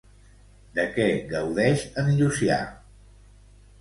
De què gaudeix en Llucià?